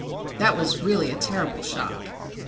That was a really terrible shock.